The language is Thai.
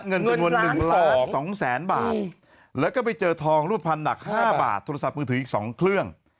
เงินจำนวน๑๒๐๐๐๐บาทแล้วก็ไปเจอทองรูปภัณฑ์หนัก๕บาทโทรศัพท์มือถืออีก๒เครื่อง